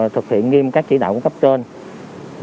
thực hiện nghiêm các chỉ đạo cấp trên để phát triển công an phường